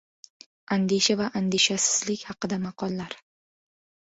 Andisha va andishasizlik haqida maqollar.